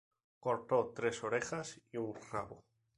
Cortó tres orejas y un rabo.